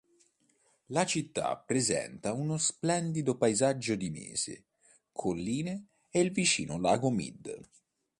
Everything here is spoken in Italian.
La città presenta uno splendido paesaggio di mese, colline e il vicino lago Mead.